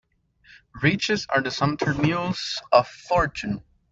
Riches are the sumpter mules of fortune.